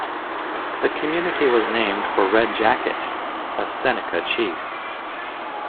The community was named for Red Jacket, a Seneca chief.